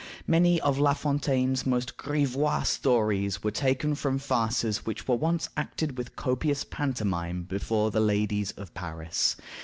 Many of La Fontaine's most grivois stories were taken from farces which were once acted with copious pantomime before the ladies of Paris.